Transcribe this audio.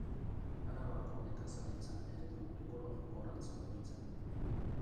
Arabako nekazaritza eredu ekologikorantz mugitzen.